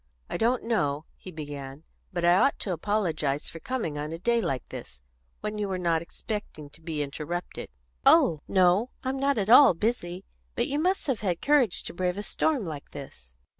"I don't know," he began, "but I ought to apologise for coming on a day like this, when you were not expecting to be interrupted." "Oh no; I'm not at all busy. But you must have had courage to brave a storm like this."